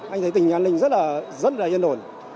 anh thấy tình an ninh rất là yên ổn